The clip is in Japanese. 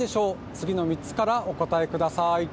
次の３つからお答えください。